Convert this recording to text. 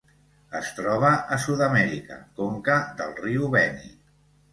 Es troba a Sud-amèrica: conca del riu Beni.